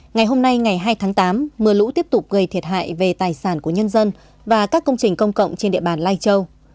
ngày hôm nay ngày hai tháng tám mưa lũ tiếp tục gây thiệt hại về tài sản của nhân dân và các công trình công cộng trên địa bàn lai châu